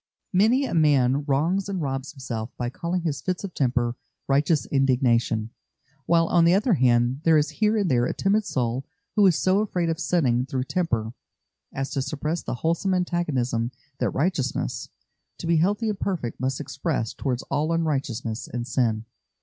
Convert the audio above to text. Many a man wrongs and robs himself by calling his fits of temper "righteous indignation;" while, on the other hand, there is here and there a timid soul who is so afraid of sinning through temper as to suppress the wholesome antagonism that righteousness, to be healthy and perfect, must express towards all unrighteousness and sin.